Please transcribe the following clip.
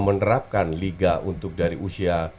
menerapkan liga untuk dari usia